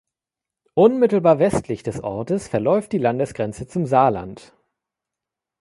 Unmittelbar westlich des Ortes verläuft die Landesgrenze zum Saarland.